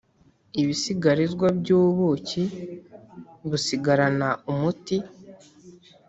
ibisigarizwa by ubuki busigarana umuti